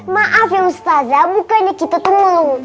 maaf ya ustazah bukannya kita tuh melu